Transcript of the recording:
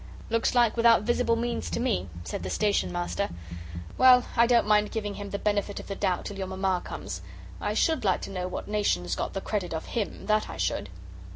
"Looks like without visible means to me," said the Station Master. "Well, I don't mind giving him the benefit of the doubt till your Mamma comes. I SHOULD like to know what nation's got the credit of HIM, that I should."